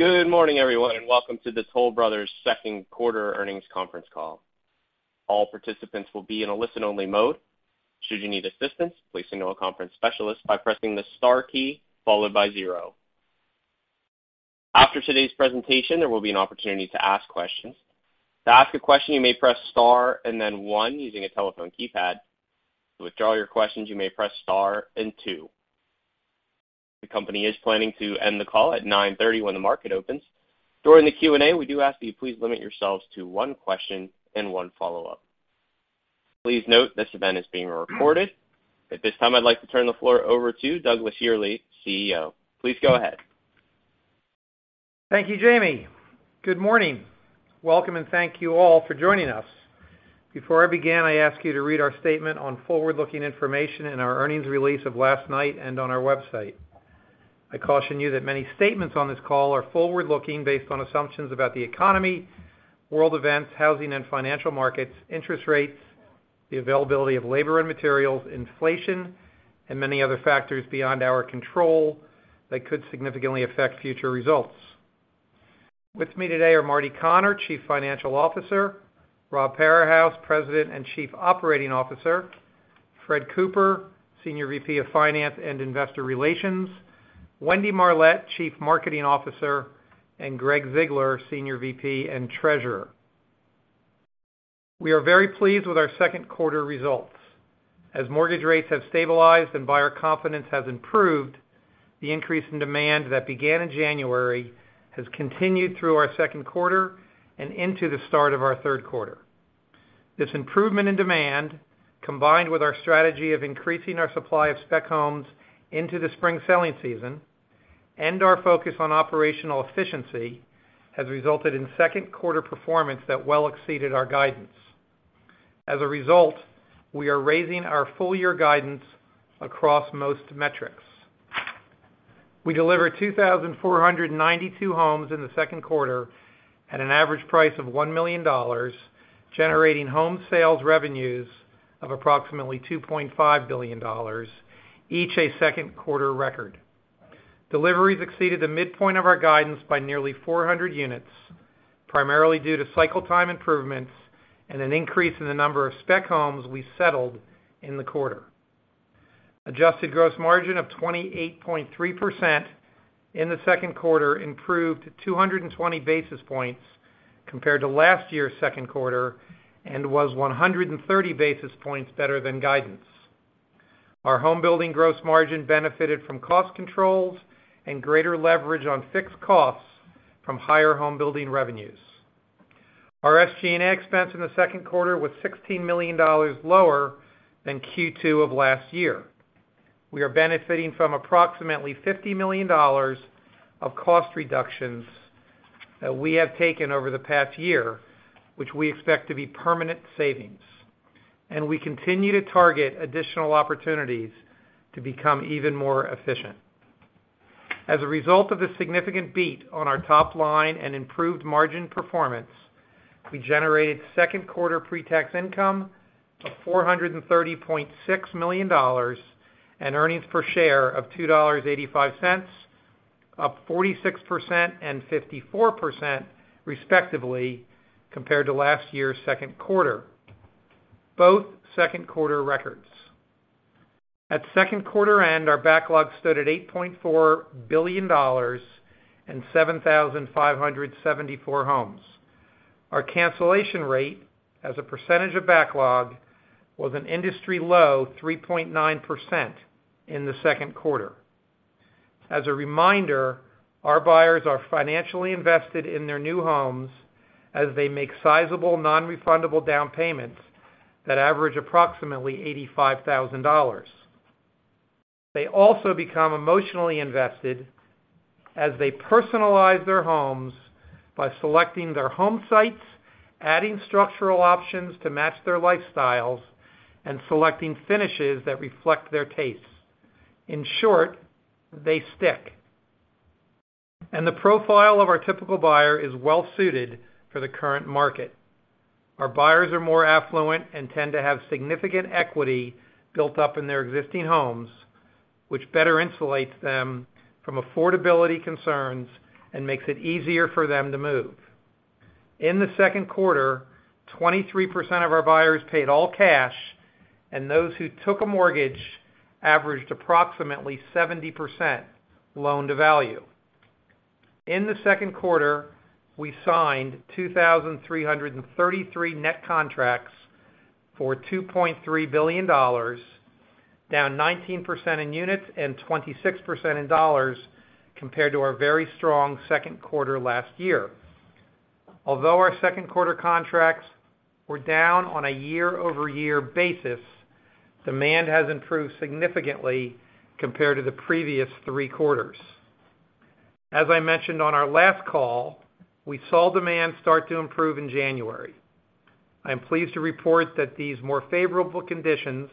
Good morning, everyone, and welcome to the Toll Brothers second quarter earnings conference call. All participants will be in a listen-only mode. Should you need assistance, please signal a conference specialist by pressing the star key followed by zero. After today's presentation, there will be an opportunity to ask questions. To ask a question, you may press star and then one using a telephone keypad. To withdraw your questions, you may press star and two. The company is planning to end the call at 9:30 A.M. when the market opens. During the Q&A, we do ask that you please limit yourselves to one question and one follow-up. Please note this event is being recorded. At this time, I'd like to turn the floor over to Douglas Yearley, CEO. Please go ahead. Thank you, Jamie. Good morning. Welcome and thank you all for joining us. Before I begin, I ask you to read our statement on forward-looking information in our earnings release of last night and on our website. I caution you that many statements on this call are forward-looking based on assumptions about the economy, world events, housing and financial markets, interest rates, the availability of labor and materials, inflation, and many other factors beyond our control that could significantly affect future results. With me today are Marty Connor, Chief Financial Officer, Rob Parahus, President and Chief Operating Officer, Fred Cooper, Senior VP of Finance and Investor Relations, Wendy Marlett, Chief Marketing Officer, and Greg Ziegler, Senior VP and Treasurer. We are very pleased with our second quarter results. As mortgage rates have stabilized and buyer confidence has improved, the increase in demand that began in January has continued through our second quarter and into the start of our third quarter. This improvement in demand, combined with our strategy of increasing our supply of spec homes into the spring selling season and our focus on operational efficiency, has resulted in second quarter performance that well exceeded our guidance. As a result, we are raising our full year guidance across most metrics. We delivered 2,492 homes in the second quarter at an average price of $1 million, generating home sales revenues of approximately $2.5 billion, each a second quarter record. Deliveries exceeded the midpoint of our guidance by nearly 400 units, primarily due to cycle time improvements and an increase in the number of spec homes we settled in the quarter. Adjusted gross margin of 28.3% in the second quarter improved 220 basis points compared to last year's second quarter and was 130 basis points better than guidance. Our home building gross margin benefited from cost controls and greater leverage on fixed costs from higher home building revenues. Our SG&A expense in the second quarter was $16 million lower than Q2 of last year. We are benefiting from approximately $50 million of cost reductions that we have taken over the past year, which we expect to be permanent savings, and we continue to target additional opportunities to become even more efficient. As a result of the significant beat on our top line and improved margin performance, we generated second quarter pre-tax income of $430.6 million and earnings per share of $2.85, up 46% and 54% respectively compared to last year's second quarter. Both second quarter records. At second quarter end, our backlog stood at $8.4 billion and 7,574 homes. Our cancellation rate as a percentage of backlog was an industry-low 3.9% in the second quarter. As a reminder, our buyers are financially invested in their new homes as they make sizable non-refundable down payments that average approximately $85,000. They also become emotionally invested as they personalize their homes by selecting their home sites, adding structural options to match their lifestyles, and selecting finishes that reflect their tastes. In short, they stick. The profile of our typical buyer is well suited for the current market. Our buyers are more affluent and tend to have significant equity built up in their existing homes, which better insulates them from affordability concerns and makes it easier for them to move. In the second quarter, 23% of our buyers paid all cash, and those who took a mortgage averaged approximately 70% loan-to-value. In the second quarter, we signed 2,333 net contracts for $2.3 billion, down 19% in units and 26% in dollars compared to our very strong second quarter last year. Although our second quarter contracts were down on a year-over-year basis, demand has improved significantly compared to the previous three quarters. As I mentioned on our last call, we saw demand start to improve in January. I am pleased to report that these more favorable conditions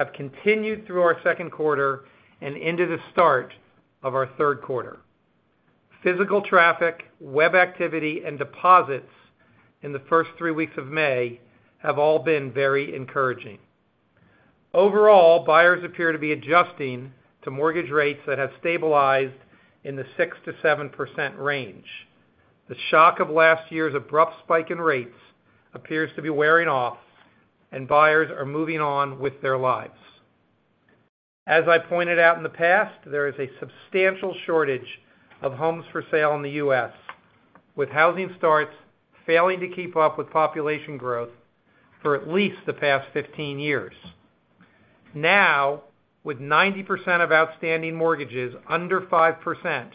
have continued through our second quarter and into the start of our third quarter. Physical traffic, web activity, and deposits in the first three weeks of May have all been very encouraging. Overall, buyers appear to be adjusting to mortgage rates that have stabilized in the 6%-7% range. The shock of last year's abrupt spike in rates appears to be wearing off and buyers are moving on with their lives. As I pointed out in the past, there is a substantial shortage of homes for sale in the U.S., with housing starts failing to keep up with population growth for at least the past 15 years. Now, with 90% of outstanding mortgages under 5%,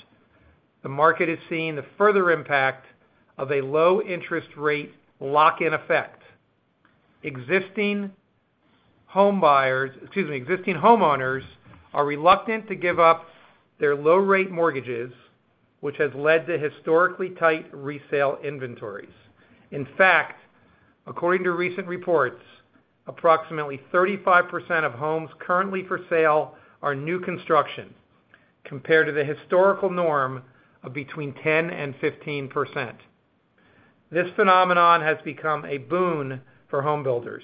the market is seeing the further impact of a low interest rate lock-in effect. Existing home buyers, excuse me, existing homeowners are reluctant to give up their low rate mortgages, which has led to historically tight resale inventories. According to recent reports, approximately 35% of homes currently for sale are new construction, compared to the historical norm of between 10% and 15%. This phenomenon has become a boon for home builders,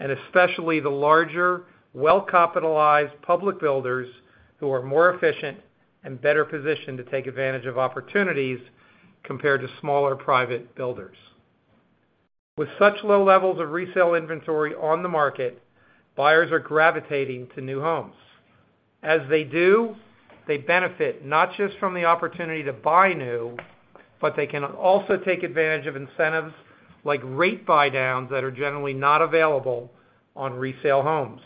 and especially the larger, well-capitalized public builders who are more efficient and better positioned to take advantage of opportunities compared to smaller private builders. With such low levels of resale inventory on the market, buyers are gravitating to new homes. As they do, they benefit not just from the opportunity to buy new, but they can also take advantage of incentives like rate buydowns that are generally not available on resale homes.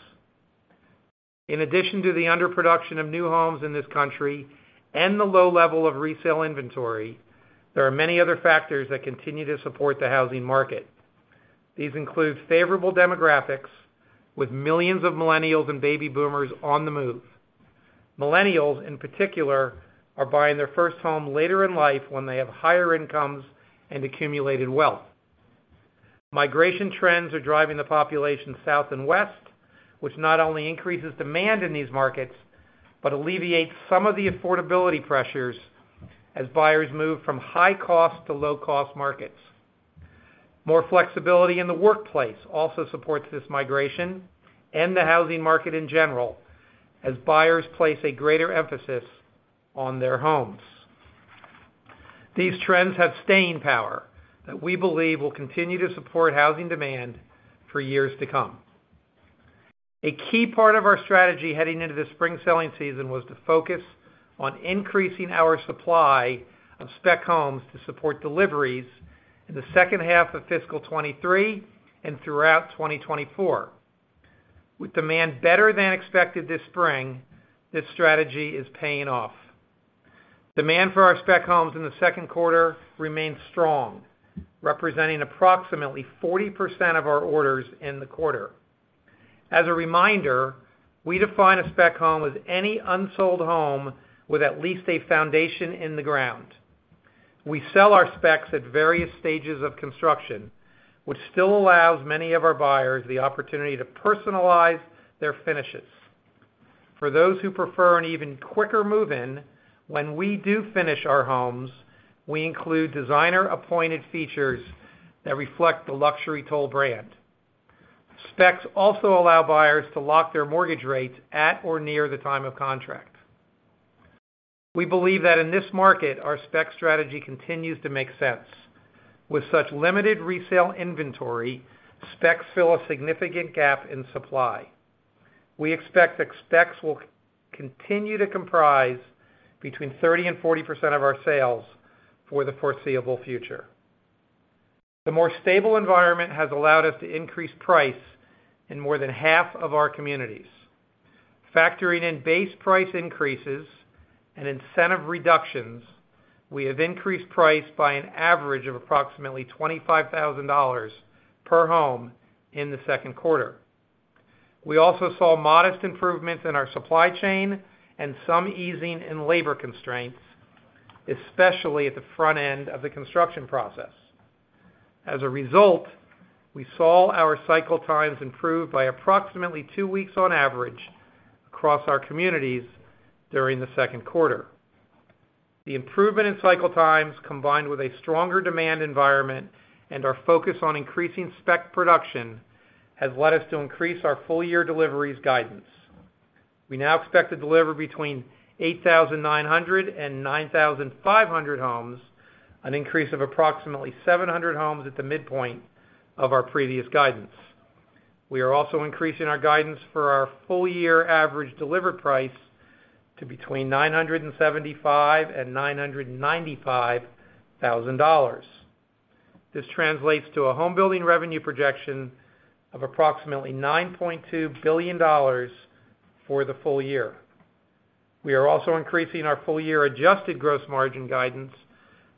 In addition to the underproduction of new homes in this country and the low level of resale inventory, there are many other factors that continue to support the housing market. These include favorable demographics, with millions of millennials and baby boomers on the move. Millennials, in particular, are buying their first home later in life when they have higher incomes and accumulated wealth. Migration trends are driving the population south and west, which not only increases demand in these markets, but alleviates some of the affordability pressures as buyers move from high-cost to low-cost markets. More flexibility in the workplace also supports this migration and the housing market in general as buyers place a greater emphasis on their homes. These trends have staying power that we believe will continue to support housing demand for years to come. A key part of our strategy heading into the spring selling season was to focus on increasing our supply of spec homes to support deliveries in the second half of fiscal 2023 and throughout 2024. With demand better than expected this spring, this strategy is paying off. Demand for our spec homes in the second quarter remains strong, representing approximately 40% of our orders in the quarter. As a reminder, we define a spec home as any unsold home with at least a foundation in the ground. We sell our specs at various stages of construction, which still allows many of our buyers the opportunity to personalize their finishes. For those who prefer an even quicker move-in, when we do finish our homes, we include designer-appointed features that reflect the luxury Toll brand. Specs also allow buyers to lock their mortgage rates at or near the time of contract. We believe that in this market, our spec strategy continues to make sense. With such limited resale inventory, specs fill a significant gap in supply. We expect that specs will continue to comprise between 30% and 40% of our sales for the foreseeable future. The more stable environment has allowed us to increase price in more than half of our communities. Factoring in base price increases and incentive reductions, we have increased price by an average of approximately $25,000 per home in the second quarter. We also saw modest improvements in our supply chain and some easing in labor constraints, especially at the front end of the construction process. As a result, we saw our cycle times improve by approximately two weeks on average across our communities during the second quarter. The improvement in cycle times, combined with a stronger demand environment and our focus on increasing spec production, has led us to increase our full year deliveries guidance. We now expect to deliver between 8,900 and 9,500 homes, an increase of approximately 700 homes at the midpoint of our previous guidance. We are also increasing our guidance for our full year average deliver price to between $975,000 and $995,000. This translates to a home building revenue projection of approximately $9.2 billion for the full year. We are also increasing our full year adjusted gross margin guidance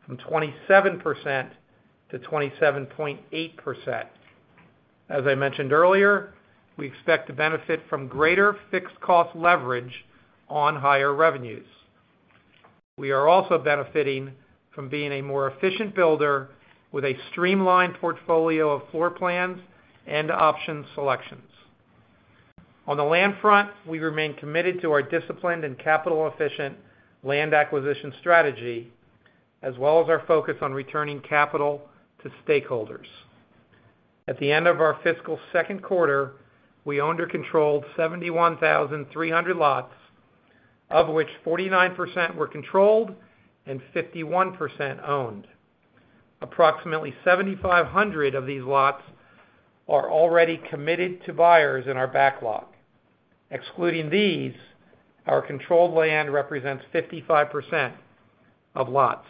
from 27%-27.8%. As I mentioned earlier, we expect to benefit from greater fixed cost leverage on higher revenues. We are also benefiting from being a more efficient builder with a streamlined portfolio of floor plans and option selections. On the land front, we remain committed to our disciplined and capital-efficient land acquisition strategy. As well as our focus on returning capital to stakeholders. At the end of our fiscal second quarter, we owned or controlled 71,300 lots, of which 49% were controlled and 51% owned. Approximately 7,500 of these lots are already committed to buyers in our backlog. Excluding these, our controlled land represents 55% of lots.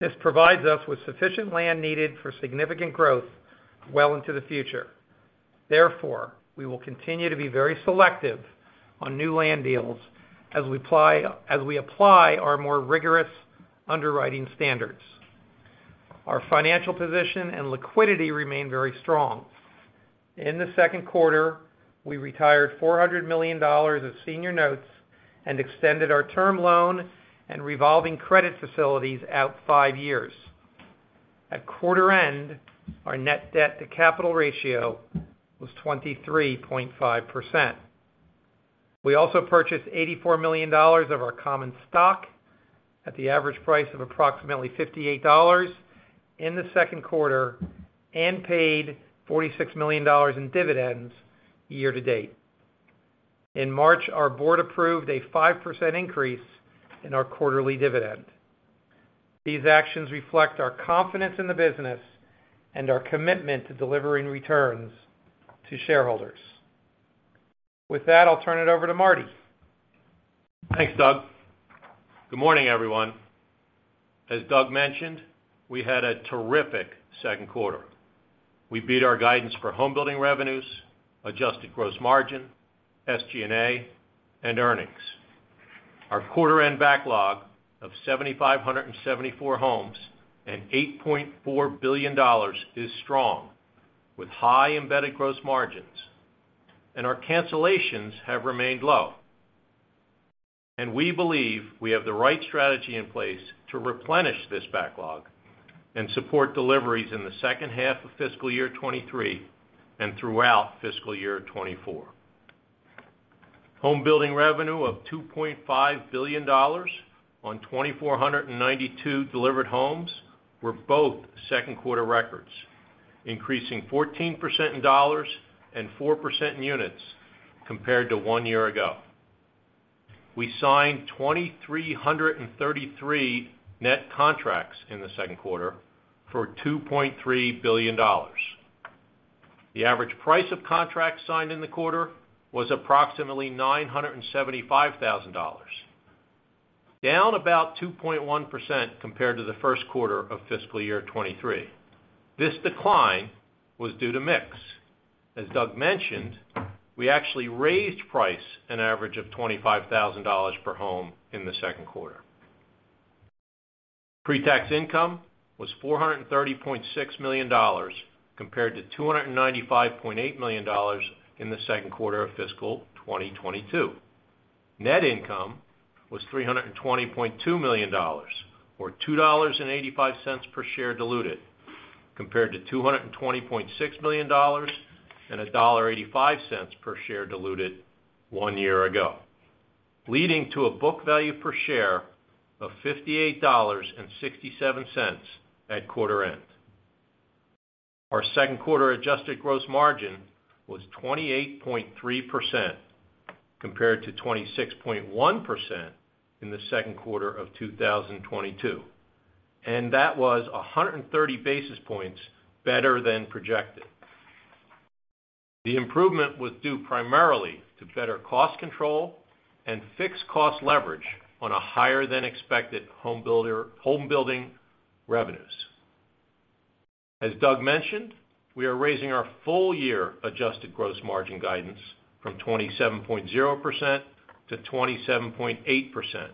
This provides us with sufficient land needed for significant growth well into the future. Therefore, we will continue to be very selective on new land deals as we apply our more rigorous underwriting standards. Our financial position and liquidity remain very strong. In the second quarter, we retired $400 million of senior notes and extended our term loan and revolving credit facilities out five years. At quarter end, our net debt-to-capital ratio was 23.5%. We also purchased $84 million of our common stock at the average price of approximately $58 in the second quarter and paid $46 million in dividends year to date. In March, our board approved a 5% increase in our quarterly dividend. These actions reflect our confidence in the business and our commitment to delivering returns to shareholders. With that, I'll turn it over to Marty. Thanks, Doug. Good morning, everyone. As Doug mentioned, we had a terrific second quarter. We beat our guidance for home building revenues, adjusted gross margin, SG&A, and earnings. Our quarter end backlog of 7,574 homes and $8.4 billion is strong, with high embedded gross margins, and our cancellations have remained low. We believe we have the right strategy in place to replenish this backlog and support deliveries in the second half of fiscal year 2023 and throughout fiscal year 2024. Home building revenue of $2.5 billion on 2,492 delivered homes were both second quarter records, increasing 14% in dollars and 4% in units compared to one year ago. We signed 2,333 net contracts in the second quarter for $2.3 billion. The average price of contracts signed in the quarter was approximately $975,000, down about 2.1% compared to the first quarter of fiscal year 2023. This decline was due to mix. As Doug mentioned, we actually raised price an average of $25,000 per home in the second quarter. Pre-tax income was $430.6 million compared to $295.8 million in the second quarter of fiscal 2022. Net income was $320.2 million or $2.85 per share diluted compared to $220.6 million and $1.85 per share diluted one year ago, leading to a book value per share of $58.67 at quarter end. Our second quarter adjusted gross margin was 28.3% compared to 26.1% in the second quarter of 2022, and that was 130 basis points better than projected. The improvement was due primarily to better cost control and fixed cost leverage on a higher than expected home building revenues. As Doug mentioned, we are raising our full year adjusted gross margin guidance from 27.0%-27.8%.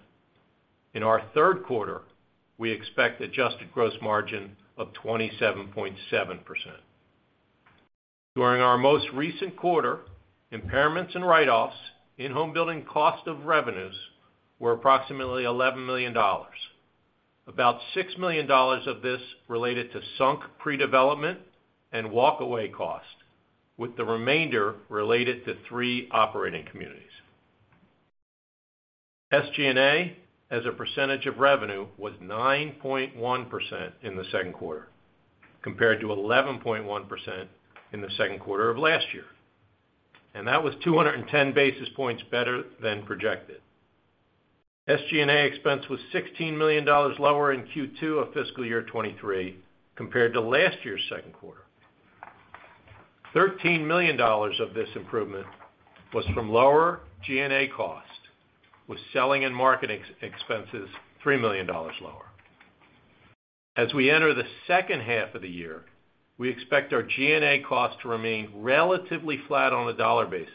In our third quarter, we expect adjusted gross margin of 27.7%. During our most recent quarter, impairments and write-offs in home building cost of revenues were approximately $11 million. About $6 million of this related to sunk pre-development and walk away cost, with the remainder related to three operating communities. SG&A as a percentage of revenue was 9.1% in the second quarter, compared to 11.1% in the second quarter of last year. That was 210 basis points better than projected. SG&A expense was $16 million lower in Q2 of fiscal year 2023 compared to last year's second quarter. $13 million of this improvement was from lower G&A cost, with selling and marketing expenses $3 million lower. As we enter the second half of the year, we expect our G&A cost to remain relatively flat on a dollar basis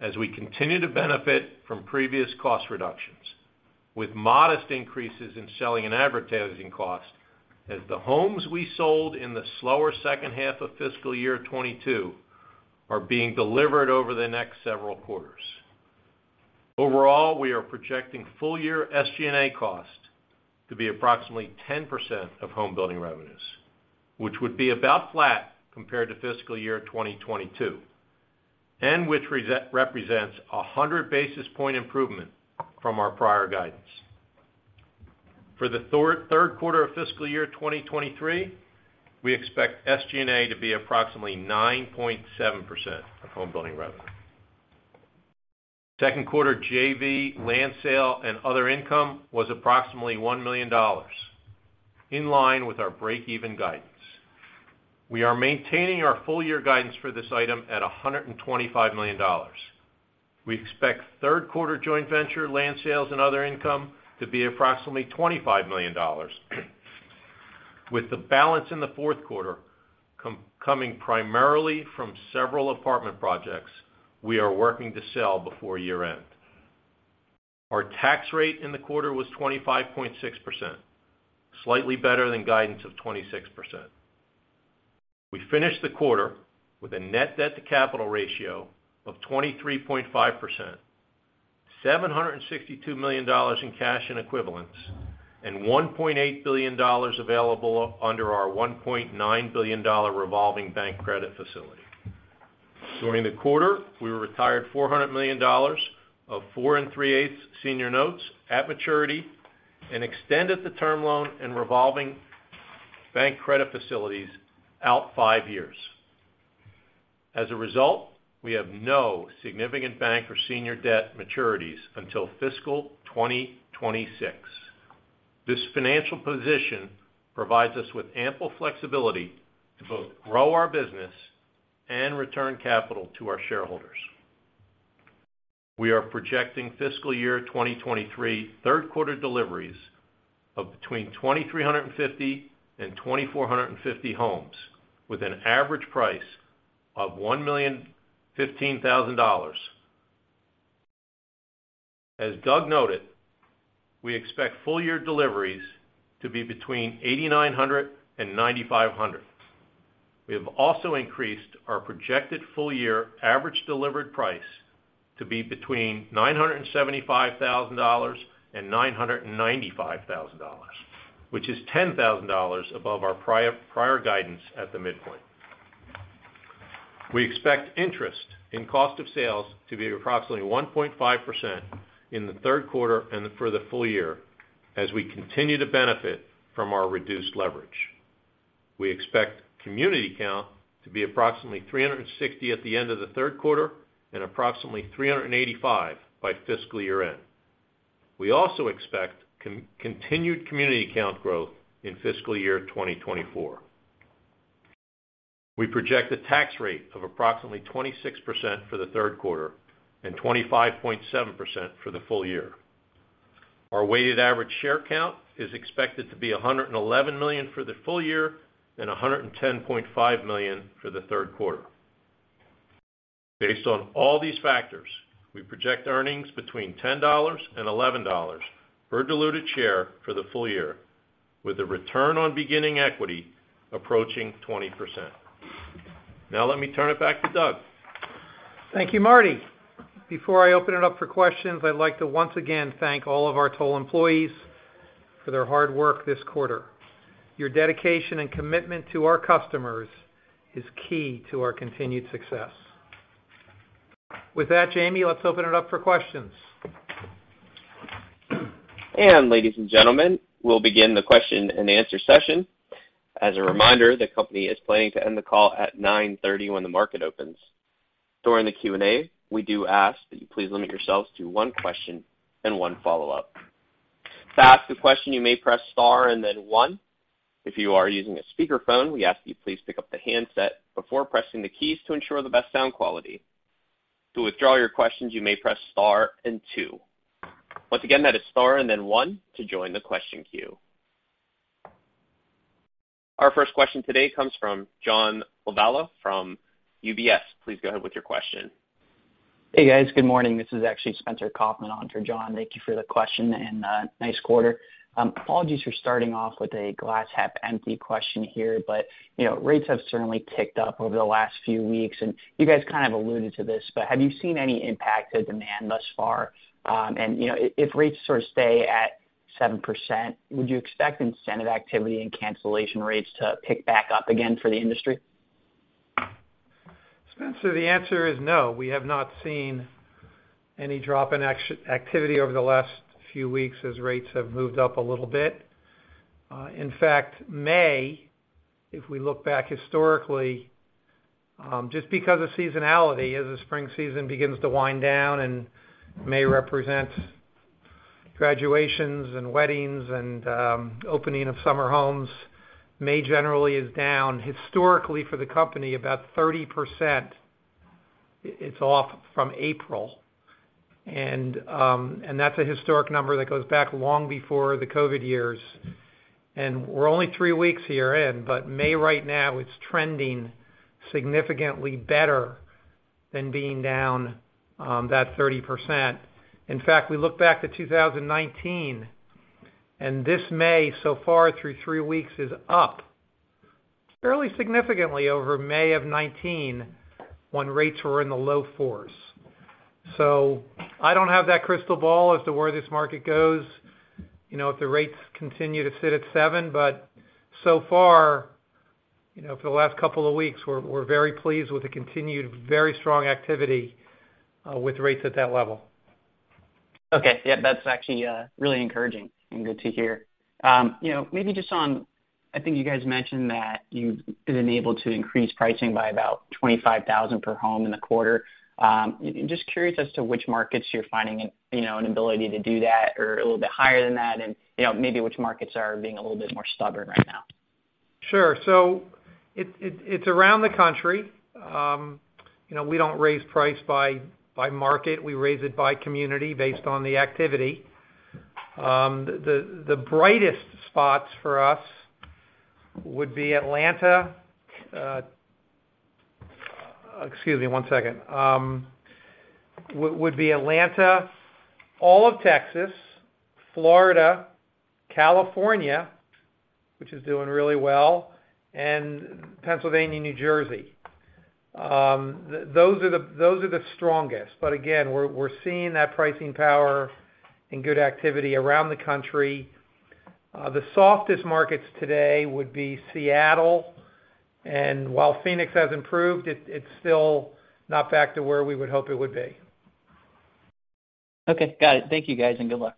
as we continue to benefit from previous cost reductions with modest increases in selling and advertising costs as the homes we sold in the slower second half of fiscal year 2022 are being delivered over the next several quarters. Overall, we are projecting full year SG&A cost to be approximately 10% of homebuilding revenues, which would be about flat compared to fiscal year 2022. Which represents 100 basis point improvement from our prior guidance. For the third quarter of fiscal year 2023, we expect SG&A to be approximately 9.7% of homebuilding revenue. Second quarter JV land sale and other income was approximately $1 million, in line with our breakeven guidance. We are maintaining our full year guidance for this item at $125 million. We expect third quarter joint venture land sales and other income to be approximately $25 million, with the balance in the fourth quarter coming primarily from several apartment projects we are working to sell before year-end. Our tax rate in the quarter was 25.6%, slightly better than guidance of 26%. We finished the quarter with a net debt-to-capital ratio of 23.5%, $762 million in cash and equivalents, and $1.8 billion available under our $1.9 billion revolving bank credit facility. During the quarter, we retired $400 million of 4 3/8 Senior Notes at maturity and extended the term loan in revolving bank credit facilities out five years. As a result, we have no significant bank or senior debt maturities until fiscal 2026. This financial position provides us with ample flexibility to both grow our business and return capital to our shareholders. We are projecting fiscal year 2023 third quarter deliveries of between 2,350 and 2,450 homes with an average price of $1,015,000. As Doug noted, we expect full year deliveries to be between 8,900 and 9,500. We have also increased our projected full year average delivered price to be between $975,000 and $995,000, which is $10,000 above our prior guidance at the midpoint. We expect interest in cost of sales to be approximately 1.5% in the third quarter and for the full year as we continue to benefit from our reduced leverage. We expect community count to be approximately 360 at the end of the third quarter and approximately 385 by fiscal year-end. We also expect continued community count growth in fiscal year 2024. We project a tax rate of approximately 26% for the third quarter and 25.7% for the full year. Our weighted average share count is expected to be 111 million for the full year and 110.5 million for the third quarter. Based on all these factors, we project earnings between $10 and $11 per diluted share for the full year, with a return on beginning equity approaching 20%. Let me turn it back to Doug. Thank you, Marty. Before I open it up for questions, I'd like to once again thank all of our Toll employees for their hard work this quarter. Your dedication and commitment to our customers is key to our continued success. With that, Jamie, let's open it up for questions. Ladies and gentlemen, we'll begin the question-and-answer session. As a reminder, the company is planning to end the call at 9:30 A.M. when the market opens. During the Q&A, we do ask that you please limit yourselves to one question and one follow-up. To ask a question, you may press star and then one. If you are using a speakerphone, we ask that you please pick up the handset before pressing the keys to ensure the best sound quality. To withdraw your questions, you may press star and two. Once again, that is star and then one to join the question queue. Our first question today comes from John Lovallo from UBS. Please go ahead with your question. Hey, guys. Good morning. This is actually Spencer Kaufman on for John. Thank you for the question and nice quarter. Apologies for starting off with a glass half empty question here, but, you know, rates have certainly ticked up over the last few weeks, and you guys kind of alluded to this, but have you seen any impact to demand thus far? You know, if rates sort of stay at 7%, would you expect incentive activity and cancellation rates to pick back up again for the industry? Spencer, the answer is no. We have not seen any drop in activity over the last few weeks as rates have moved up a little bit. In fact, May, if we look back historically, just because of seasonality, as the spring season begins to wind down and May represents graduations and weddings and opening of summer homes, May generally is down historically for the company about 30%. It's off from April, and that's a historic number that goes back long before the COVID years. We're only three weeks here in, but May right now is trending significantly better than being down that 30%. In fact, we look back to 2019, and this May so far through three weeks is up fairly significantly over May of 2019 when rates were in the low 4%s. I don't have that crystal ball as to where this market goes, you know, if the rates continue to sit at 7%. So far, you know, for the last couple of weeks, we're very pleased with the continued very strong activity with rates at that level. That's actually really encouraging and good to hear. You know, maybe just I think you guys mentioned that you've been able to increase pricing by about $25,000 per home in the quarter. Just curious as to which markets you're finding, you know, an ability to do that or a little bit higher than that, and, you know, maybe which markets are being a little bit more stubborn right now. Sure. It's around the country. you know, we don't raise price by market. We raise it by community based on the activity. the brightest spots for us would be Atlanta. excuse me one second. would be Atlanta, all of Texas, Florida, California, which is doing really well, and Pennsylvania, New Jersey. those are the strongest. Again, we're seeing that pricing power and good activity around the country. the softest markets today would be Seattle. While Phoenix has improved, it's still not back to where we would hope it would be. Okay, got it. Thank you, guys, and good luck.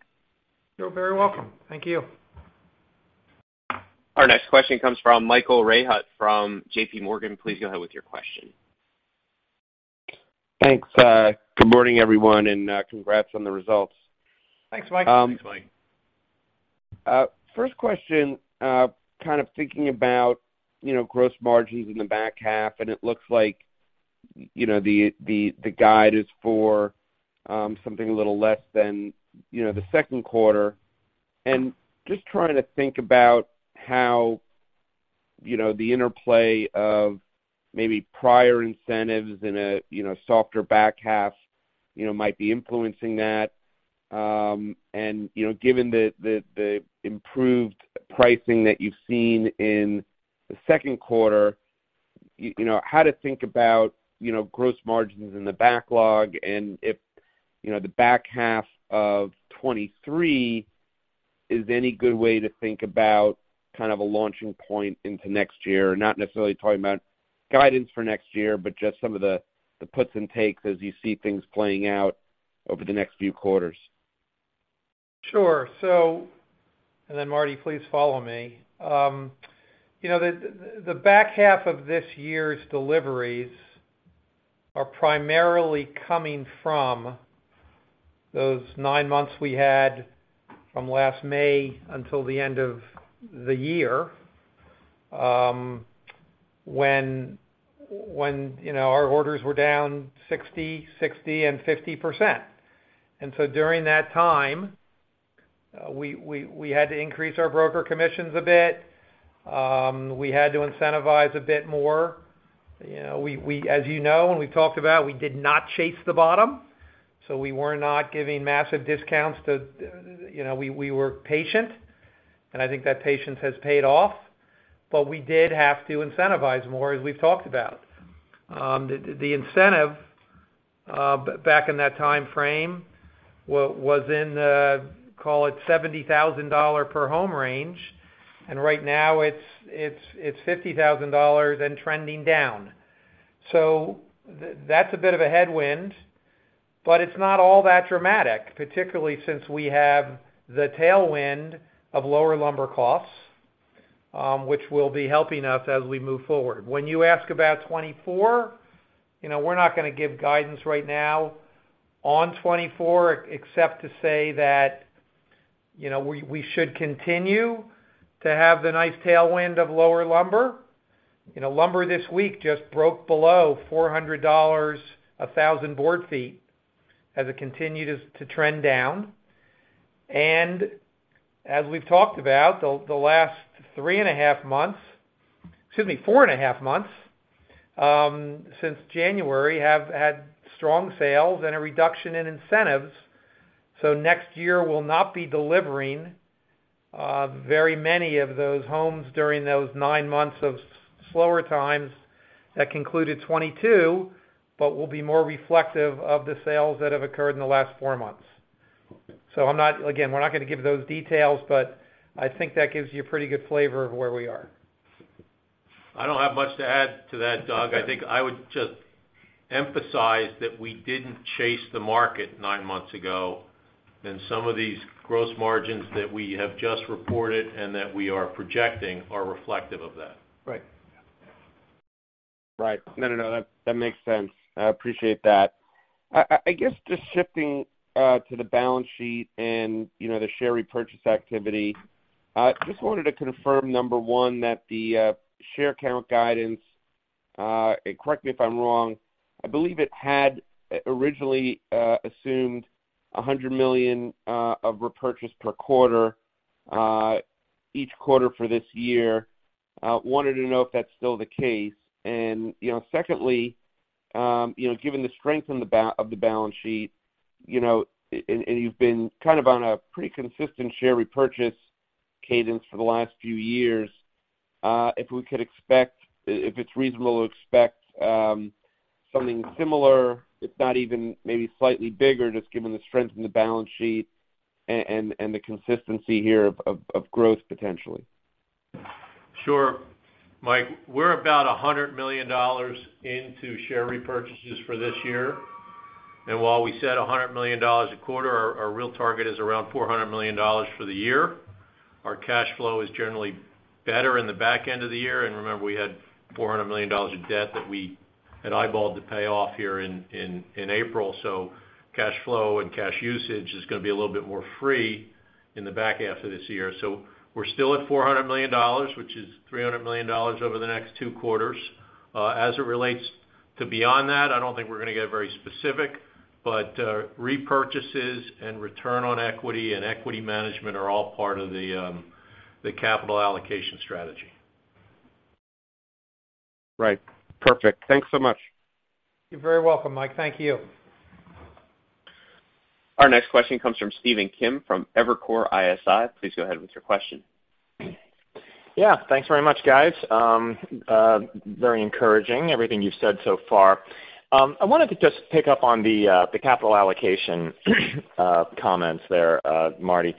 You're very welcome. Thank you. Our next question comes from Michael Rehaut from JPMorgan. Please go ahead with your question. Thanks. Good morning, everyone, and, congrats on the results. Thanks, Mike. Thanks, Mike. First question, kind of thinking about, you know, gross margins in the back half, and it looks like, you know, the guide is for something a little less than, you know, the second quarter. Just trying to think about how, you know, the interplay of maybe prior incentives in a, you know, softer back half, you know, might be influencing that. You know, given the improved pricing that you've seen in the second quarter, you know, how to think about, you know, gross margins in the backlog and if, you know, the back half of 2023 is any good way to think about kind of a launching point into next year? Not necessarily talking about guidance for next year, but just some of the puts and takes as you see things playing out over the next few quarters. Sure. Marty, please follow me. You know, the back half of this year's deliveries are primarily coming from those nine months we had from last May until the end of the year, when, you know, our orders were down 60%, 60%, and 50%. During that time, we had to increase our broker commissions a bit. We had to incentivize a bit more. You know, as you know, and we talked about, we did not chase the bottom, so we were not giving massive discounts to... You know, we were patient, and I think that patience has paid off, but we did have to incentivize more, as we've talked about. The incentive back in that timeframe was in the, call it $70,000 per home range, and right now it's $50,000 and trending down. That's a bit of a headwind, but it's not all that dramatic, particularly since we have the tailwind of lower lumber costs, which will be helping us as we move forward. When you ask about 2024, you know, we're not gonna give guidance right now on 2024 except to say that, you know, we should continue to have the nice tailwind of lower lumber. You know, lumber this week just broke below $400 a thousand board feet as it continued to trend down. As we've talked about, the last three and a half months, excuse me, four and a half months, since January have had strong sales and a reduction in incentives. Next year will not be delivering very many of those homes during those nine months of slower times that concluded 2022, but will be more reflective of the sales that have occurred in the last four months. I'm not. Again, we're not gonna give those details, but I think that gives you a pretty good flavor of where we are. I don't have much to add to that, Doug. I think I would just emphasize that we didn't chase the market nine months ago. Some of these gross margins that we have just reported and that we are projecting are reflective of that. Right. Right. No, no. That makes sense. I appreciate that. I guess just shifting to the balance sheet and, you know, the share repurchase activity, just wanted to confirm, number one, that the share count guidance, and correct me if I'm wrong, I believe it had originally assumed $100 million of repurchase per quarter, each quarter for this year. Wanted to know if that's still the case. You know, secondly, you know, given the strength in of the balance sheet, you know, and you've been kind of on a pretty consistent share repurchase cadence for the last few years. If we could expect, if it's reasonable to expect, something similar, if not even maybe slightly bigger, just given the strength in the balance sheet and the consistency here of growth potentially? Sure. Mike, we're about $100 million into share repurchases for this year. While we set $100 million a quarter, our real target is around $400 million for the year. Our cash flow is generally better in the back end of the year, and remember, we had $400 million of debt that we had eyeballed to pay off here in April. Cash flow and cash usage is gonna be a little bit more free in the back half of this year. We're still at $400 million, which is $300 million over the next two quarters. As it relates to beyond that, I don't think we're gonna get very specific, but repurchases and return on equity and equity management are all part of the capital allocation strategy. Right. Perfect. Thanks so much. You're very welcome, Mike. Thank you. Our next question comes from Stephen Kim from Evercore ISI. Please go ahead with your question. Yeah. Thanks very much, guys. Very encouraging, everything you've said so far. I wanted to just pick up on the capital allocation comments there, Marty,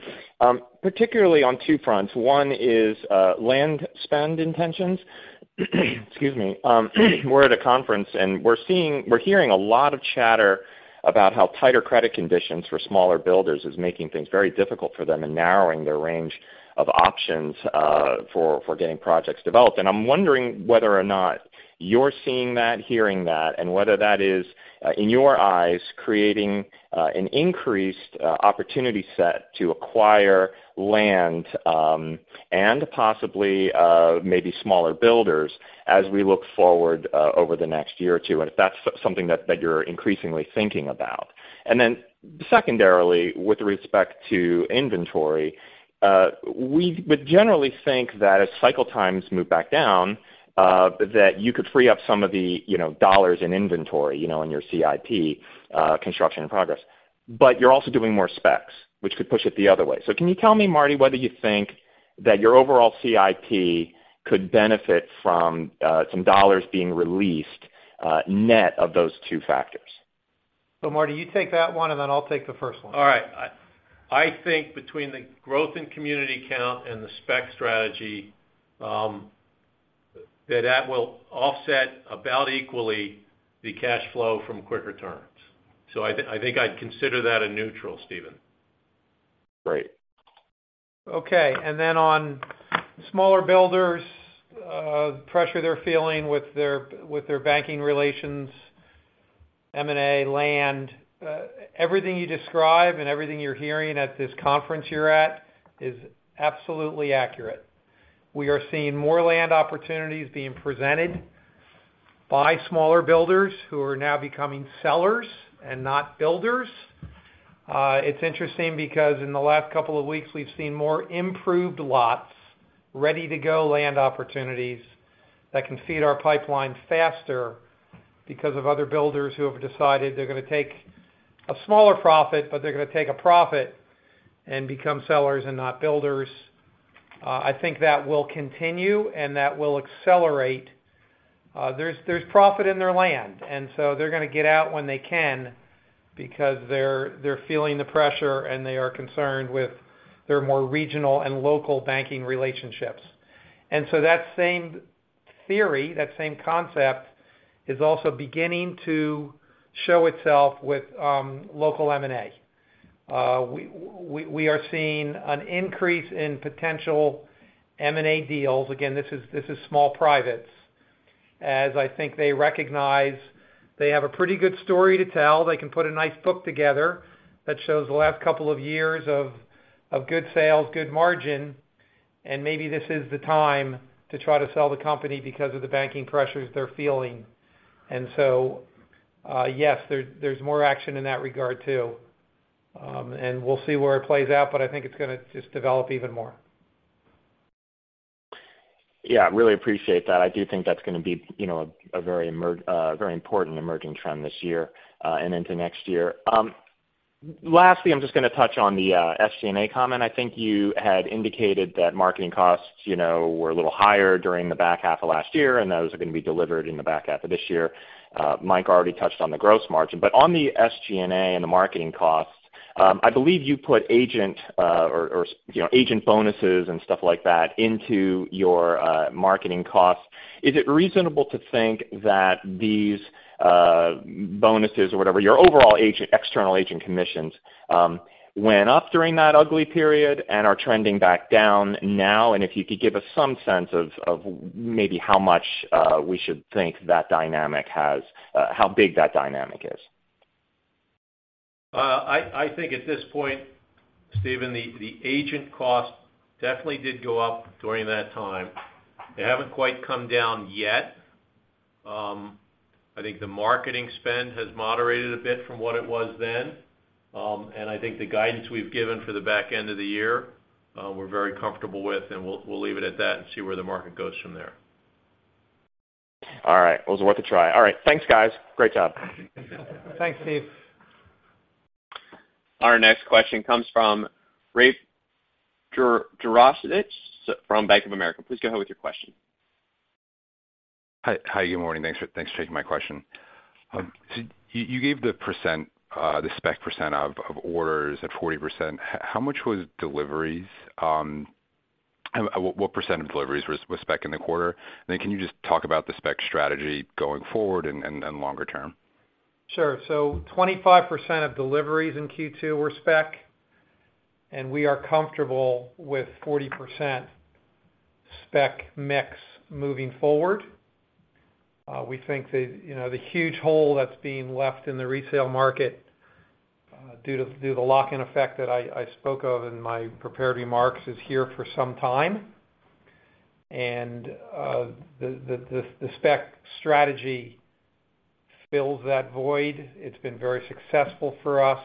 particularly on two fronts. One is land spend intentions. Excuse me. We're at a conference, and we're hearing a lot of chatter about how tighter credit conditions for smaller builders is making things very difficult for them and narrowing their range of options, for getting projects developed. I'm wondering whether or not you're seeing that, hearing that, and whether that is, in your eyes, creating an increased opportunity set to acquire land, and possibly, maybe smaller builders as we look forward over the next year or two, and if that's something that you're increasingly thinking about. Secondarily, with respect to inventory, we would generally think that as cycle times move back down, that you could free up some of the, you know, dollars in inventory, you know, in your CIP, construction in progress. You're also doing more specs, which could push it the other way. Can you tell me, Marty, whether you think that your overall CIP could benefit from some dollars being released, net of those two factors? Marty, you take that one, and then I'll take the first one. All right. I think between the growth in community count and the spec strategy, that will offset about equally the cash flow from quick returns. I think I'd consider that a neutral, Stephen. Great. Okay. On smaller builders, pressure they're feeling with their, with their banking relations, M&A, land. Everything you describe and everything you're hearing at this conference you're at is absolutely accurate. We are seeing more land opportunities being presented by smaller builders who are now becoming sellers and not builders. It's interesting because in the last couple of weeks, we've seen more improved lots, ready-to-go land opportunities that can feed our pipeline faster because of other builders who have decided they're gonna take a smaller profit, but they're gonna take a profit and become sellers and not builders. I think that will continue, and that will accelerate. There's profit in their land, so they're gonna get out when they can because they're feeling the pressure, and they are concerned with their more regional and local banking relationships. That same theory, that same concept is also beginning to show itself with local M&A. We are seeing an increase in potential M&A deals. This is small privates. As I think they recognize they have a pretty good story to tell. They can put a nice book together that shows the last couple of years of good sales, good margin, and maybe this is the time to try to sell the company because of the banking pressures they're feeling. Yes, there's more action in that regard too. We'll see where it plays out, but I think it's gonna just develop even more. Yeah, really appreciate that. I do think that's gonna be, you know, a very important emerging trend this year, and into next year. Lastly, I'm just gonna touch on the SG&A comment. I think you had indicated that marketing costs, you know, were a little higher during the back half of last year, and those are gonna be delivered in the back half of this year. Mike already touched on the gross margin. On the SG&A and the marketing costs, I believe you put agent, or, you know, agent bonuses and stuff like that into your marketing costs. Is it reasonable to think that these bonuses or whatever your overall agent, external agent commissions, went up during that ugly period and are trending back down now? If you could give us some sense of maybe how much, we should think that dynamic has, how big that dynamic is. I think at this point, Stephen, the agent cost definitely did go up during that time. They haven't quite come down yet. I think the marketing spend has moderated a bit from what it was then. I think the guidance we've given for the back end of the year, we're very comfortable with, and we'll leave it at that and see where the market goes from there. All right. It was worth a try. All right. Thanks, guys. Great job. Thanks, Steve. Our next question comes from Rafe Jadrosich from Bank of America. Please go ahead with your question. Hi. Hi, good morning. Thanks for, thanks for taking my question. You, you gave the percent the spec percent of orders at 40%. How much was deliveries, I what percent of deliveries was spec in the quarter? Can you just talk about the spec strategy going forward and longer term? Sure. 25% of deliveries in Q2 were spec, and we are comfortable with 40% spec mix moving forward. We think that, you know, the huge hole that's being left in the resale market, due to the lock-in effect that I spoke of in my prepared remarks is here for some time. The spec strategy fills that void. It's been very successful for us.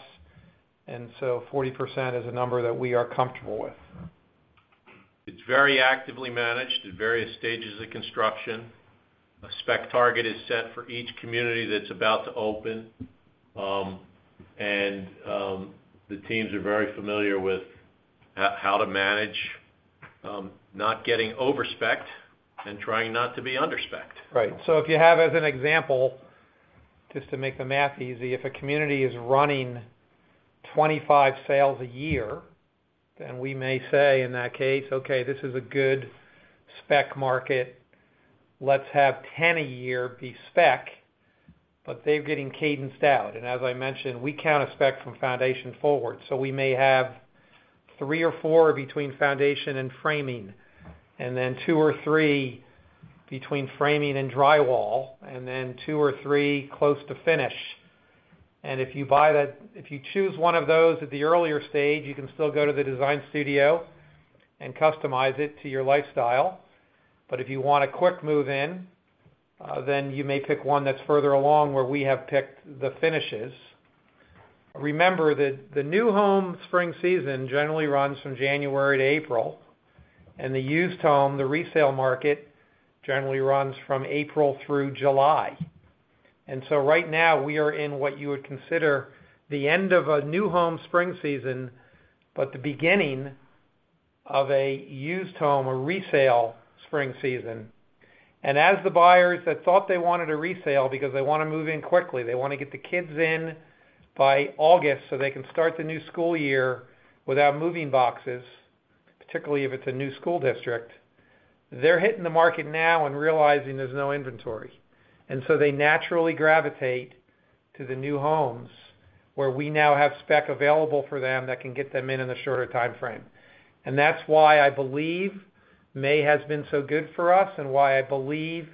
40% is a number that we are comfortable with. It's very actively managed at various stages of construction. A spec target is set for each community that's about to open. The teams are very familiar with how to manage not getting over-specced and trying not to be under-specced. Right. If you have, as an example, just to make the math easy, if a community is running 25 sales a year, then we may say in that case, "Okay, this is a good spec market. Let's have 10 a year be spec," but they're getting cadenced out. As I mentioned, we count a spec from foundation forward. We may have three or four between foundation and framing, and then two or three between framing and drywall, and then two or three close to finish. If you buy that, if you choose one of those at the earlier stage, you can still go to the design studio and customize it to your lifestyle. If you want a quick move in, then you may pick one that's further along where we have picked the finishes. Remember that the new home spring season generally runs from January to April, and the used home, the resale market, generally runs from April through July. Right now we are in what you would consider the end of a new home spring season, but the beginning of a used home, a resale spring season. As the buyers that thought they wanted a resale because they wanna move in quickly, they wanna get the kids in by August so they can start the new school year without moving boxes, particularly if it's a new school district, they're hitting the market now and realizing there's no inventory. They naturally gravitate to the new homes where we now have spec available for them that can get them in in a shorter timeframe. That's why I believe May has been so good for us and why I believe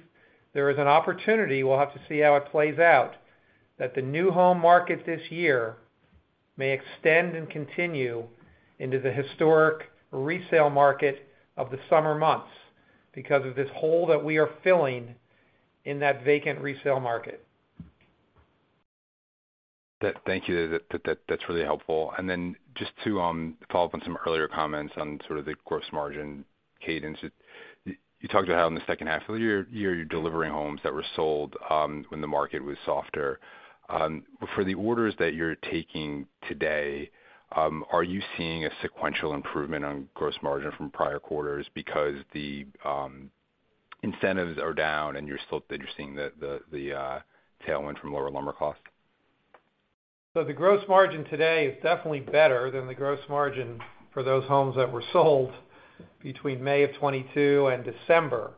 there is an opportunity, we'll have to see how it plays out, that the new home market this year may extend and continue into the historic resale market of the summer months because of this hole that we are filling in that vacant resale market. Thank you. That's really helpful. Then just to follow up on some earlier comments on sort of the gross margin cadence. You talked about how in the second half of the year, you're delivering homes that were sold when the market was softer. For the orders that you're taking today, are you seeing a sequential improvement on gross margin from prior quarters because the incentives are down and you're seeing the tailwind from lower lumber costs? The gross margin today is definitely better than the gross margin for those homes that were sold between May 2022 and December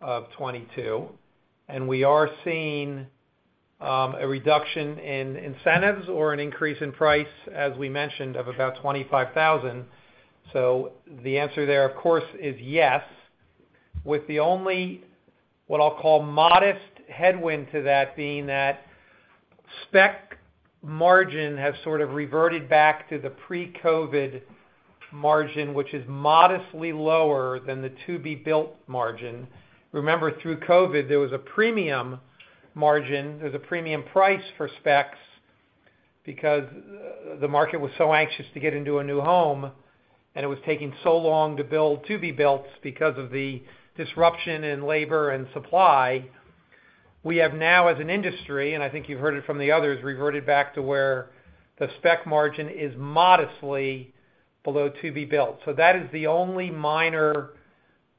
2022. We are seeing a reduction in incentives or an increase in price, as we mentioned, of about $25,000. The answer there, of course, is yes, with the only, what I'll call modest headwind to that being that spec margin has sort of reverted back to the pre-COVID margin, which is modestly lower than the to-be-built margin. Remember, through COVID, there was a premium margin. There was a premium price for specs because the market was so anxious to get into a new home, and it was taking so long to build to-be-builts because of the disruption in labor and supply. We have now, as an industry, and I think you've heard it from the others, reverted back to where the spec margin is modestly below to be built. That is the only minor,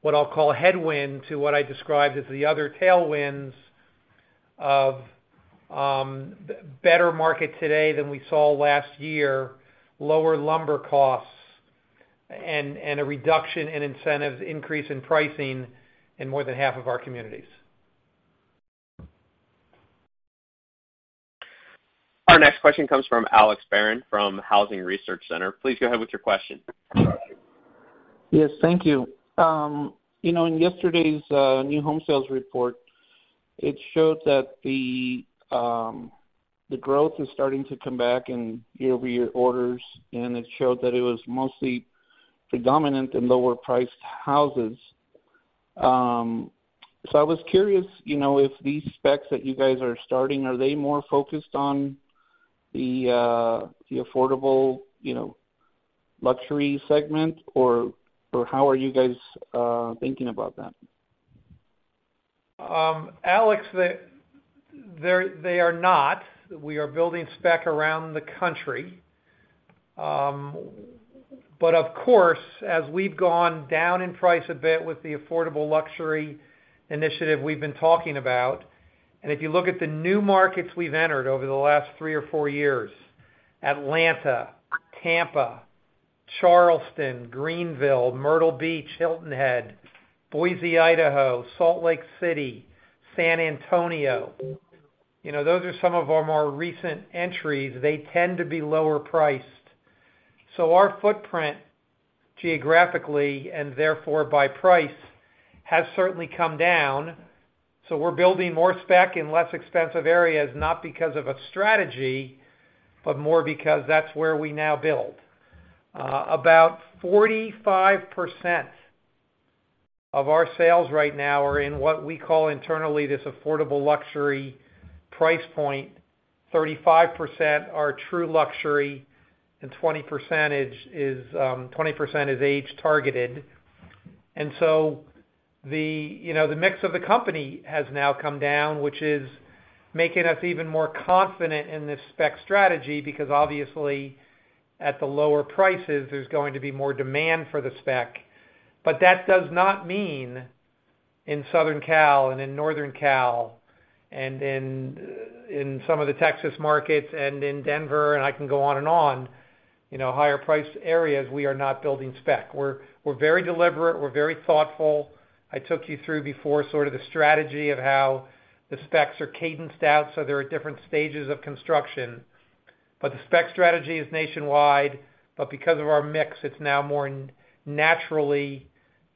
what I'll call headwind to what I described as the other tailwinds of, better market today than we saw last year, lower lumber costs and a reduction in incentives, increase in pricing in more than half of our communities. Our next question comes from Alex Barron from Housing Research Center. Please go ahead with your question. Yes, thank you. you know, in yesterday's new home sales report, it showed that the growth is starting to come back in year-over-year orders. It showed that it was mostly predominant in lower-priced houses. I was curious, you know, if these specs that you guys are starting, are they more focused on the affordable, you know, luxury segment, or how are you guys thinking about that? Alex, they are not. We are building spec around the country. Of course, as we've gone down in price a bit with the affordable luxury initiative we've been talking about, and if you look at the new markets we've entered over the last three or four years, Atlanta, Tampa, Charleston, Greenville, Myrtle Beach, Hilton Head, Boise, Idaho, Salt Lake City, San Antonio, you know, those are some of our more recent entries. They tend to be lower priced. Our footprint geographically, and therefore by price, has certainly come down. We're building more spec in less expensive areas, not because of a strategy, but more because that's where we now build. About 45% of our sales right now are in what we call internally this affordable luxury price point. 35% are true luxury, 20% is age targeted. The, you know, the mix of the company has now come down, which is making us even more confident in this spec strategy because obviously at the lower prices, there's going to be more demand for the spec. That does not mean in Southern Cal and in Northern Cal and in some of the Texas markets and in Denver, and I can go on and on, you know, higher priced areas, we are not building spec. We're very deliberate. We're very thoughtful. I took you through before sort of the strategy of how the specs are cadenced out, so there are different stages of construction. The spec strategy is nationwide, but because of our mix, it's now more naturally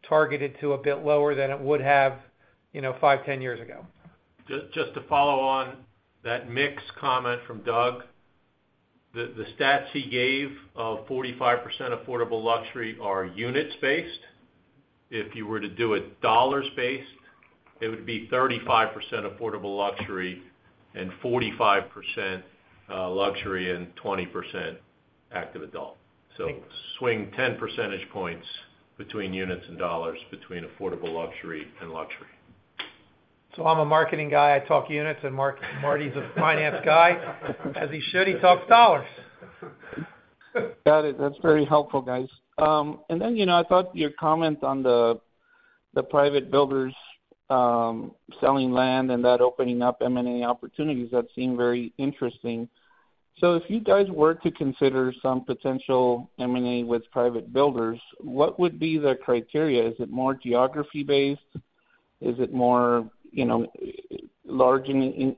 targeted to a bit lower than it would have, you know, five, 10 years ago. Just to follow on that mix comment from Doug, the stats he gave of 45% affordable luxury are units based. If you were to do it dollars based, it would be 35% affordable luxury and 45% luxury and 20% active adult. Swing 10 percentage points between units and dollars between affordable luxury and luxury. I'm a marketing guy, I talk units, and Marty's a finance guy. As he should, he talks dollars. Got it. That's very helpful, guys. You know, I thought your comment on the private builders, selling land and that opening up M&A opportunities, that seemed very interesting. If you guys were to consider some potential M&A with private builders, what would be the criteria? Is it more geography based? Is it more, you know, large in,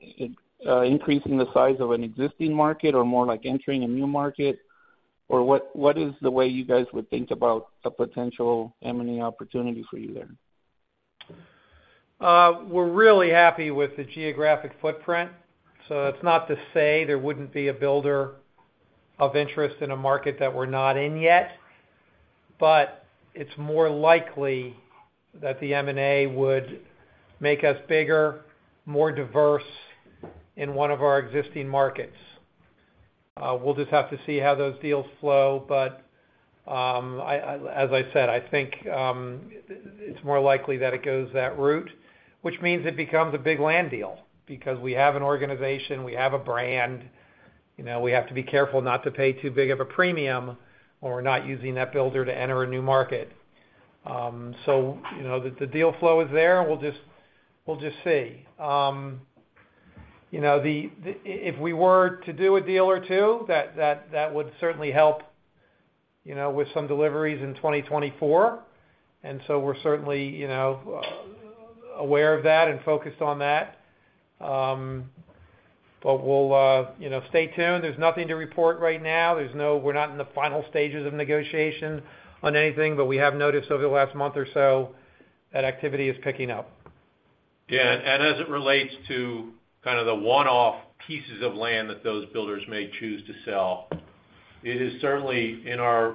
increasing the size of an existing market or more like entering a new market? What, what is the way you guys would think about a potential M&A opportunity for you there? We're really happy with the geographic footprint. That's not to say there wouldn't be a builder of interest in a market that we're not in yet. It's more likely that the M&A would make us bigger, more diverse in one of our existing markets. We'll just have to see how those deals flow. As I said, I think it's more likely that it goes that route, which means it becomes a big land deal because we have an organization, we have a brand. You know, we have to be careful not to pay too big of a premium when we're not using that builder to enter a new market. You know, the deal flow is there. We'll just see. You know, If we were to do a deal or two, that would certainly help, you know, with some deliveries in 2024. We're certainly, you know, aware of that and focused on that. We'll, you know, stay tuned. There's nothing to report right now. We're not in the final stages of negotiation on anything, but we have noticed over the last month or so that activity is picking up. Yeah. As it relates to kind of the one-off pieces of land that those builders may choose to sell, it is certainly in our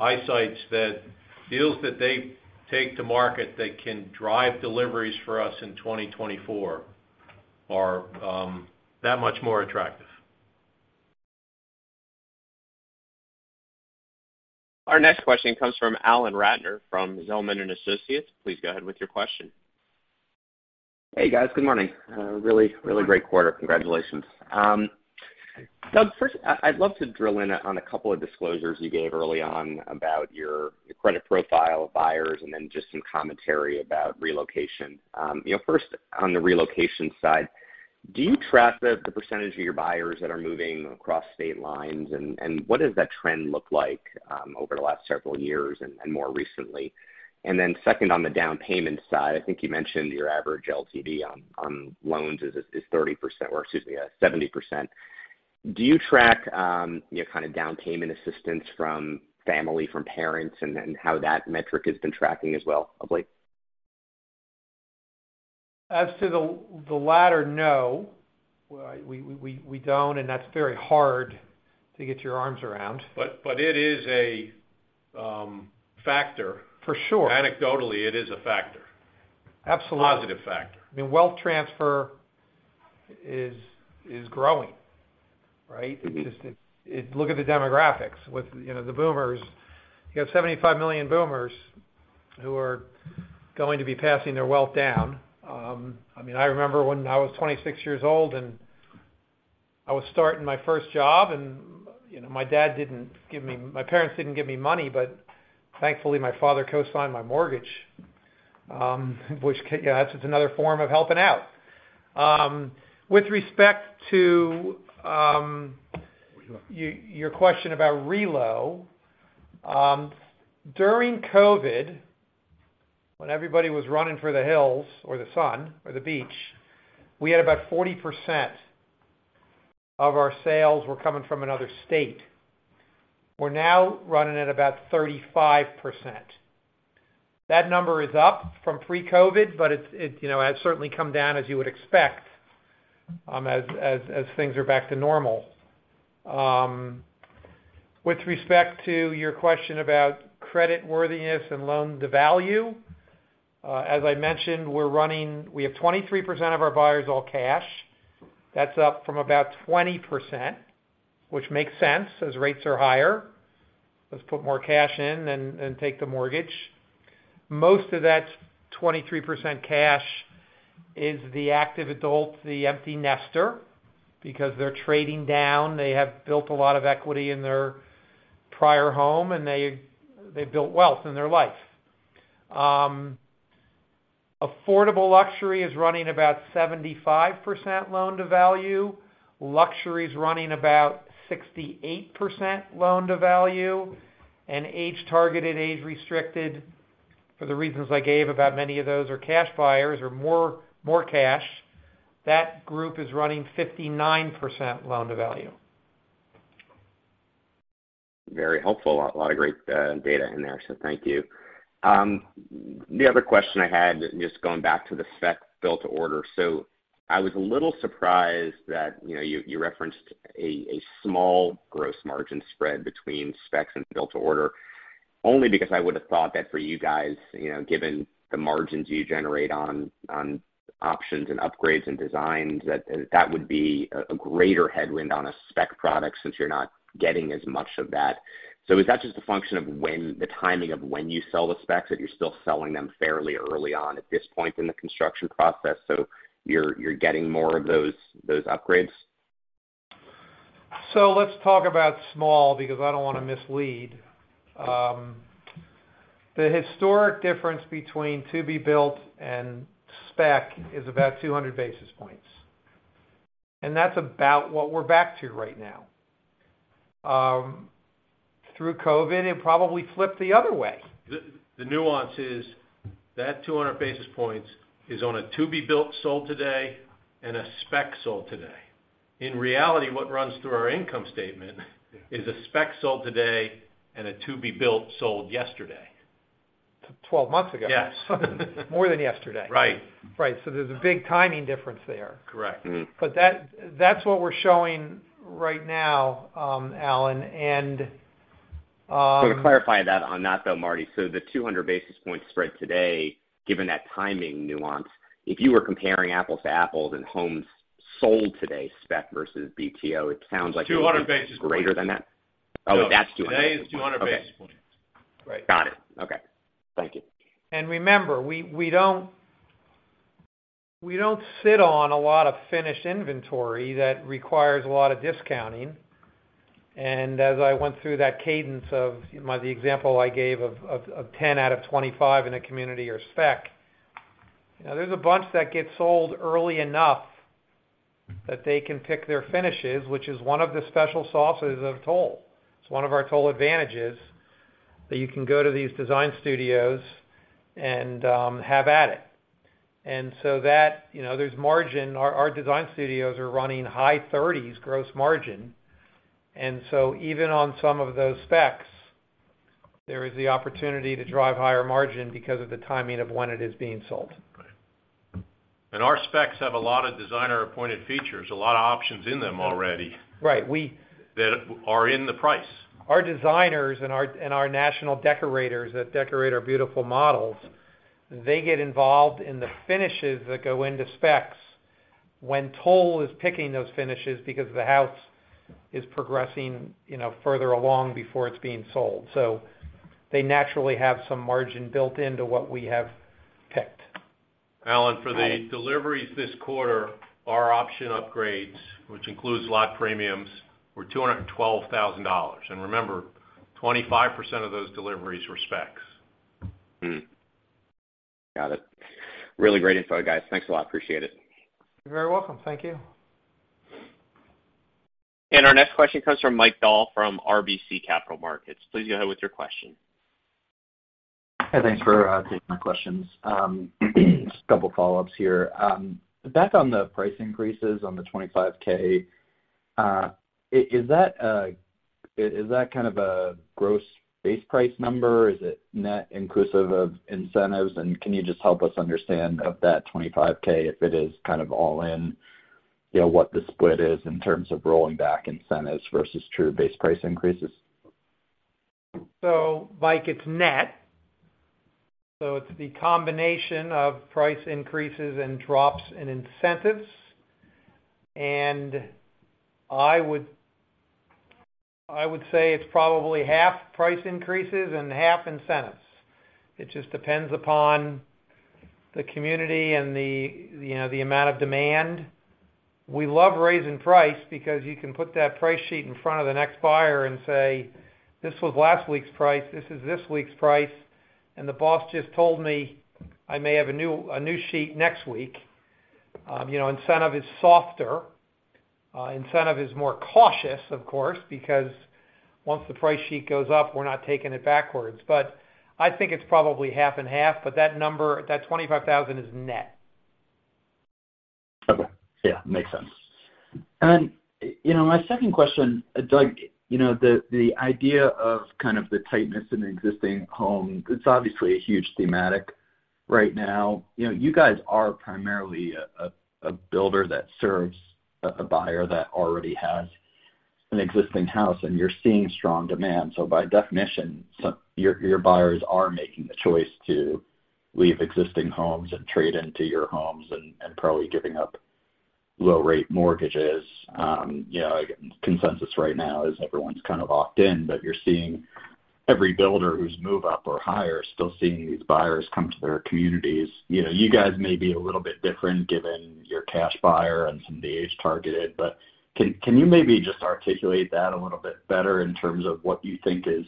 eyesights that deals that they take to market that can drive deliveries for us in 2024 are that much more attractive. Our next question comes from Alan Ratner from Zelman & Associates. Please go ahead with your question. Hey, guys. Good morning. Really great quarter. Congratulations. Doug, first, I'd love to drill in on a couple of disclosures you gave early on about your credit profile of buyers and then just some commentary about relocation. You know, first, on the relocation side, do you track the percentage of your buyers that are moving across state lines? What does that trend look like over the last several years and more recently? Second, on the down payment side, I think you mentioned your average LTV on loans is 30%, or excuse me, 70%. Do you track, you know, kind of down payment assistance from family, from parents, and then how that metric has been tracking as well, hopefully? As to the latter, no. We don't, that's very hard to get your arms around. it is a factor. For sure. Anecdotally, it is a factor. Absolutely. Positive factor. I mean, wealth transfer is growing, right? Look at the demographics with, you know, the boomers. You have 75 million boomers who are going to be passing their wealth down. I mean, I remember when I was 26 years old, and I was starting my first job, and, you know, my parents didn't give me money, thankfully, my father co-signed my mortgage, you know, that's just another form of helping out. With respect to your question about relo, during COVID, when everybody was running for the hills or the sun or the beach, we had about 40% of our sales were coming from another state. We're now running at about 35%. That number is up from pre-COVID, it's, you know, has certainly come down as you would expect, as things are back to normal. With respect to your question about credit worthiness and loan-to-value, as I mentioned, we have 23% of our buyers all cash. That's up from about 20%, which makes sense as rates are higher. Let's put more cash in than take the mortgage. Most of that 23% cash is the active adult, the empty nester, because they're trading down. They have built a lot of equity in their prior home, and they've built wealth in their life. Affordable luxury is running about 75% loan-to-value. Luxury is running about 68% loan-to-value. Age-targeted, age-restricted, for the reasons I gave about many of those are cash buyers or more cash, that group is running 59% loan-to-value. Very helpful. A lot of great data in there, so thank you. The other question I had, just going back to the spec build to order. I was a little surprised that, you know, you referenced a small gross margin spread between specs and build to order, only because I would have thought that for you guys, you know, given the margins you generate on options and upgrades and designs, that would be a greater headwind on a spec product since you're not getting as much of that. Is that just a function of when, the timing of when you sell the specs, that you're still selling them fairly early on at this point in the construction process, so you're getting more of those upgrades? Let's talk about small because I don't wanna mislead. The historic difference between to be built and spec is about 200 basis points, and that's about what we're back to right now. Through COVID, it probably flipped the other way. The nuance is that 200 basis points is on a to be built sold today and a spec sold today. In reality, what runs through our income statement is a spec sold today and a to be built sold yesterday. 12 months ago. Yes. More than yesterday. Right. Right. There's a big timing difference there. Correct. Mm-hmm. That's what we're showing right now, Alan. To clarify that on that, though, Marty, so the 200 basis points spread today, given that timing nuance, if you were comparing apples to apples and homes sold today, spec versus BTO, it sounds like 200 basis points.... it's greater than that. Oh, that's 200 basis points. No. Today is 200 basis points. Right. Got it. Okay. Thank you. Remember, we don't sit on a lot of finished inventory that requires a lot of discounting. As I went through that cadence of the example I gave of 10 out of 25 in a community or spec, you know, there's a bunch that gets sold early enough that they can pick their finishes, which is one of the special sauces of Toll. It's one of our Toll advantages that you can go to these design studios and have at it. That, you know, there's margin. Our design studios are running high 30s gross margin. Even on some of those specs, there is the opportunity to drive higher margin because of the timing of when it is being sold. Right. Our specs have a lot of designer-appointed features, a lot of options in them already. Right. that are in the price. Our designers and our, and our national decorators that decorate our beautiful models, they get involved in the finishes that go into specs when Toll is picking those finishes because the house is progressing, you know, further along before it's being sold. They naturally have some margin built into what we have picked. Alan, for the deliveries this quarter, our option upgrades, which includes lot premiums, were $212,000. Remember, 25% of those deliveries were specs. Got it. Really great info, guys. Thanks a lot. Appreciate it. You're very welcome. Thank you. Our next question comes from Michael Dahl from RBC Capital Markets. Please go ahead with your question. Hey, thanks for taking my questions. Just a couple follow-ups here. Back on the price increases on the $25,000, is that kind of a gross base price number? Is it net inclusive of incentives? Can you just help us understand of that $25,000 if it is kind of all in, you know, what the split is in terms of rolling back incentives versus true base price increases? Mike, it's net. It's the combination of price increases and drops in incentives. I would say it's probably half price increases and half incentives. It just depends upon the community and, you know, the amount of demand. We love raising price because you can put that price sheet in front of the next buyer and say, "This was last week's price. This is this week's price. And the boss just told me I may have a new, a new sheet next week." You know, incentive is softer. Incentive is more cautious, of course, because once the price sheet goes up, we're not taking it backwards. I think it's probably half and half, but that number, that $25,000 is net. Okay. Yeah, makes sense. You know, my second question, Doug, you know, the idea of kind of the tightness in existing homes, it's obviously a huge thematic right now. You know, you guys are primarily a, a builder that serves a buyer that already has an existing house, and you're seeing strong demand. By definition, so your buyers are making the choice to leave existing homes and trade into your homes and probably giving up low rate mortgages. You know, consensus right now is everyone's kind of locked in, but you're seeing every builder who's move up or higher still seeing these buyers come to their communities. You know, you guys may be a little bit different given your cash buyer and some of the age-targeted, can you maybe just articulate that a little bit better in terms of what you think is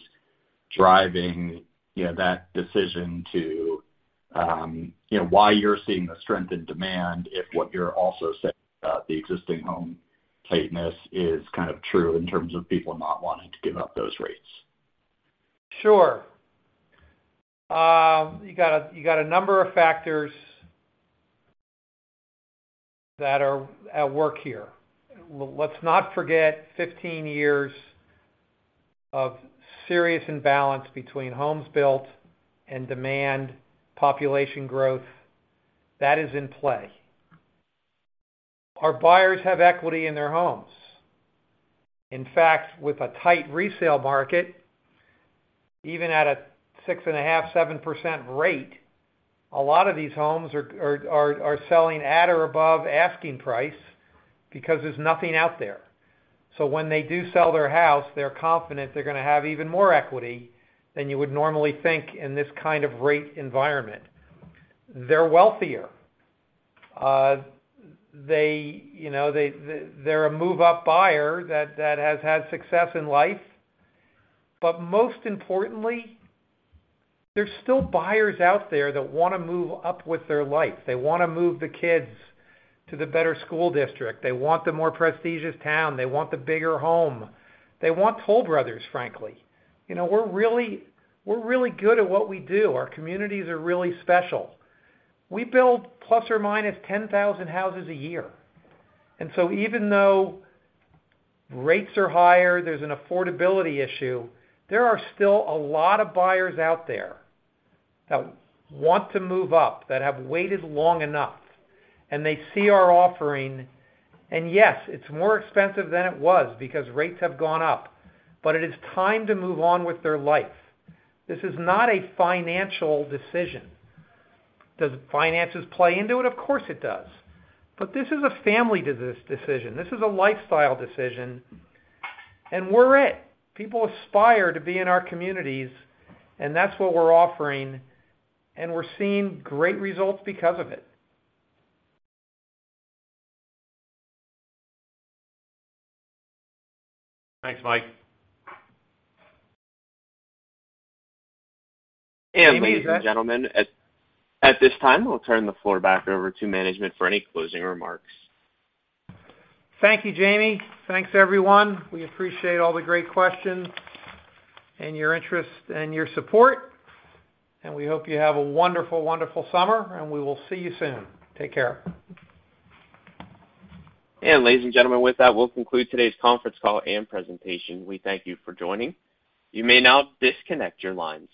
driving, you know, that decision to, you know, why you're seeing the strength in demand, if what you're also saying about the existing home tightness is kind of true in terms of people not wanting to give up those rates? Sure. You got a number of factors that are at work here. Let's not forget 15 years of serious imbalance between homes built and demand population growth, that is in play. Our buyers have equity in their homes. In fact, with a tight resale market, even at a 6.5%-7% rate, a lot of these homes are selling at or above asking price because there's nothing out there. When they do sell their house, they're confident they're gonna have even more equity than you would normally think in this kind of rate environment. They're wealthier. They, you know, they're a move up buyer that has had success in life. Most importantly, there's still buyers out there that wanna move up with their life. They wanna move the kids to the better school district. They want the more prestigious town. They want the bigger home. They want Toll Brothers, frankly. You know, we're really good at what we do. Our communities are really special. We build ±10,000 houses a year. Even though rates are higher, there's an affordability issue, there are still a lot of buyers out there that want to move up, that have waited long enough, and they see our offering. Yes, it's more expensive than it was because rates have gone up, but it is time to move on with their life. This is not a financial decision. Does finances play into it? Of course, it does. This is a family decision. This is a lifestyle decision, and we're it. People aspire to be in our communities, and that's what we're offering, and we're seeing great results because of it. Thanks, Mike. Ladies and gentlemen, at this time, we'll turn the floor back over to management for any closing remarks. Thank you, Jamie. Thanks, everyone. We appreciate all the great questions and your interest and your support, and we hope you have a wonderful summer, and we will see you soon. Take care. Ladies and gentlemen with that, we'll conclude today's conference call and presentation. We thank you for joining. You may now disconnect your lines.